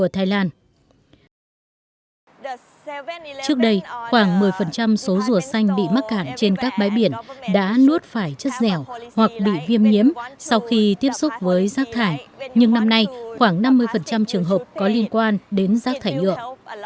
trước đây khoảng một mươi số rùa xanh bị mắc cản trên các bãi biển đã nuốt phải chất dẻo hoặc bị viêm nhiễm sau khi tiếp xúc với rác thải nhưng năm nay khoảng năm mươi trường hợp có liên quan đến rác thải nhựa